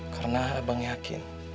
karena abang yakin